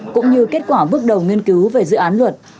cũng như kết quả bước đầu nghiên cứu về dự án luật